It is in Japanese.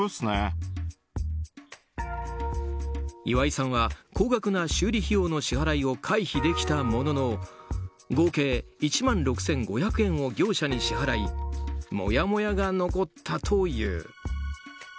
岩井さんは高額な修理費用の支払いを回避できたものの合計１万６５００円を業者に支払いもやもやが残ったという。